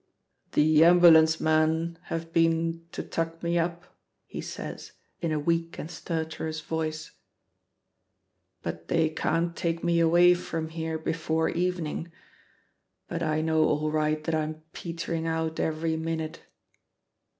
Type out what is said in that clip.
"The ambulance men have been to tuck me up," he says, in a weak and stertorous voice, "but they can't take me away from here before evening. But I know all right that I'm petering out every minute."